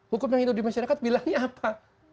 hukum yang hidup di masyarakat bilangnya apa